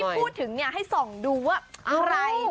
พี่พูดถึงเนี่ยให้ส่องดูว่าอะไร